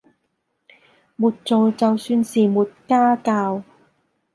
沒做就算是沒家教